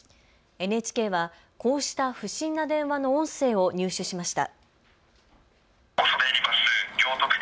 ＮＨＫはこうした不審な電話の音声を入手しました。